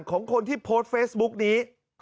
ของคนที่โพสต์เฟซบุ๊กนี้